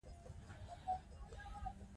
انځور د نړۍ خلکو ته د مذهبي ارزښتونو اهمیت ښيي.